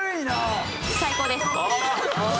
最高です。